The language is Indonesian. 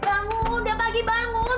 bangun tiap pagi bangun